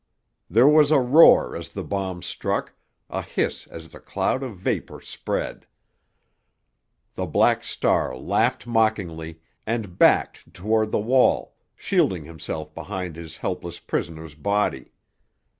There was a roar as the bomb struck, a hiss as the cloud of vapor spread. The Black Star laughed mockingly, and backed toward the wall, shielding himself behind his helpless prisoner's body.